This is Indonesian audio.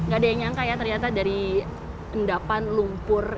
gak ada yang nyangka ya ternyata dari endapan lumpur